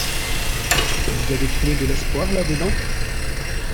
Vous avez trouvé de l’espoir là-dedans ?